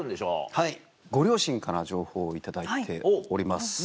はいご両親から情報を頂いております。